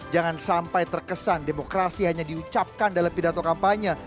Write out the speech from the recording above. jangan sampai terkesan demokrasi hanya diucapkan dalam pidato kampanye